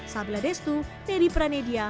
sampai jumpa di video selanjutnya